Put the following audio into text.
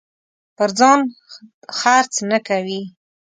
پر ځان خرڅ نه کوي.